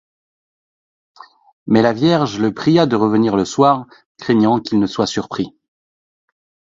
Mais la vierge le pria de revenir le soir, craignant qu'ils ne soient surpris.